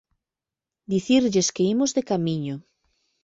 dicirlles que imos de camiño